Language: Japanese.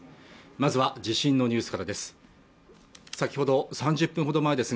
まずは地震のニュースからです